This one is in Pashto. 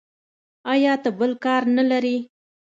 ایا ته بل کار نه لرې.